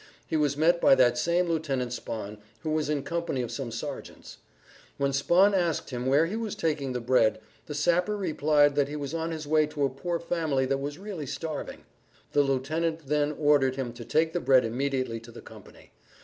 He was met by that same Lieutenant Spahn who was in company of some sergeants. When Spahn asked him where he was taking the bread the sapper replied that he was on his way to a poor family that was really starving. The lieutenant then ordered him to take the bread immediately to the company.